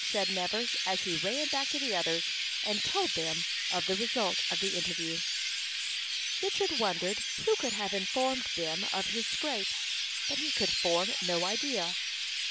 said Nevers, as he ran back to the others, and told them of the result of the interview. Richard wondered who could have informed them of his scrapes, but he could form no idea.